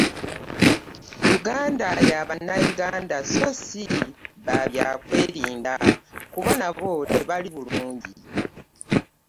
Uganda ya bannayuganda so si ba byakwerinda kuba nabo tebali bulungi